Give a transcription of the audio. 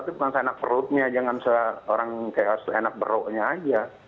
tentang saya enak perutnya jangan seorang kayak enak beroknya aja